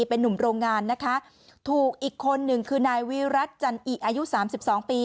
เป็นนุ่มโรงงานนะคะถูกอีกคนหนึ่งคือนายวิรัติจันอิอายุสามสิบสองปี